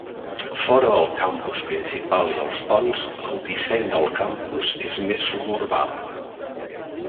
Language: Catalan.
Fora del campus principal i els ponts, el disseny del campus és més suburbà.